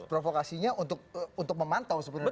provokasinya untuk memantau sebenarnya